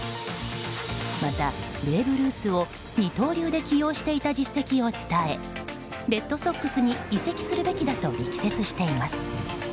また、ベーブ・ルースを二刀流で起用していた実績を伝え、レッドソックスに移籍するべきだと力説しています。